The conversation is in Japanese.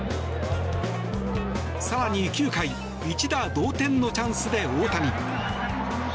更に９回一打同点のチャンスで大谷。